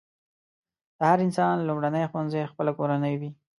د هر انسان لومړنی ښوونځی خپله کورنۍ وي.